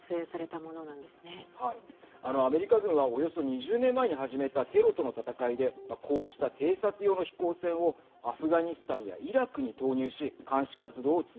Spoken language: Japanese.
あの、アメリカ軍はおよそ２０年前に始めたテロとの戦いでこうした偵察用の飛行船をアフガニスタンやイラクに投入しはい。